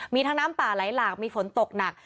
มีทั้งน้ำป่าไหลหลากมีฝนตกหนัก